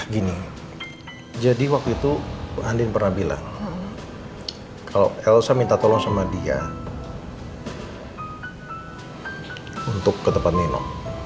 gini jadi waktu itu bu andin pernah bilang kalau elsa minta tolong sama dia untuk ke tempat nino